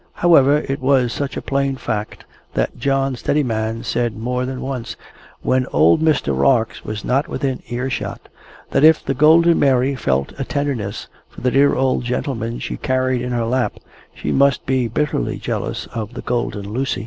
However, it was such a plain fact, that John Steadiman said more than once when old Mr. Rarx was not within earshot, that if the Golden Mary felt a tenderness for the dear old gentleman she carried in her lap, she must be bitterly jealous of the Golden Lucy.